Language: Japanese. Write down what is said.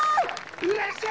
うれしい！